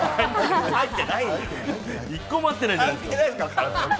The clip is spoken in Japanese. １個もあってない。